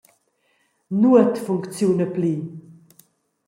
Nuot funcziuna pli.